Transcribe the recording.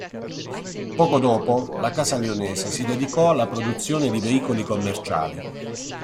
Poco dopo, la Casa lionese si dedicò alla produzione di veicoli commerciali.